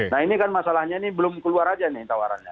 nah ini kan masalahnya ini belum keluar aja nih tawarannya